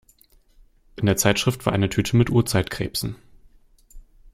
In der Zeitschrift war eine Tüte mit Urzeitkrebsen.